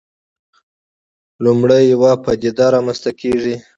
لومړی یوه پدیده رامنځته کېږي.